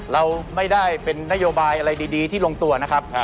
เราไม่ได้เป็นนโยบายอะไรดีที่ลงตัวนะครับ